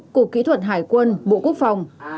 cục kỹ thuật hải quân bộ quốc phòng